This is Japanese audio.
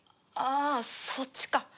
ああそっちか。